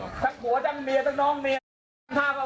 ใส่เปิ๊กในฟูมและวันก่อนมึงมา